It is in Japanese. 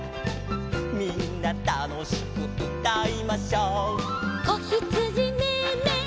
「みんなたのしくうたいましょ」「こひつじメエメエ